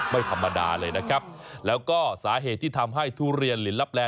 ไม่ธรรมดาเลยนะครับแล้วก็สาเหตุที่ทำให้ทุเรียนลินลับแล